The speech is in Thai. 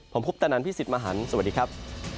ผมพุทธนันต์พี่สิทธิ์มหันธ์สวัสดีครับ